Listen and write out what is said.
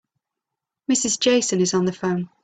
Mrs. Jason is on the phone.